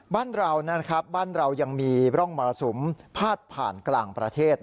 บ้านเรายังมีร่องมะละสุมพาดผ่านกลางประเทศ